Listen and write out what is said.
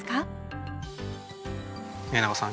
宮永さん